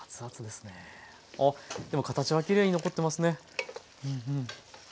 あっでも形はきれいに残ってますね。